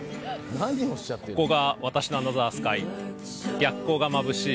ここが私のアナザースカイ逆光がまぶしい